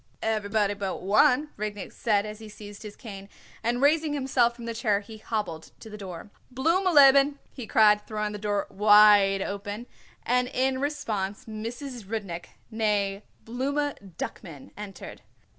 "Everybody but one," Rudnik said as he seized his cane, and raising himself from the chair he hobbled to the door. "Blooma leben," he cried, throwing the door wide open; and in response Mrs. Rudnik, née Blooma Duckman, entered.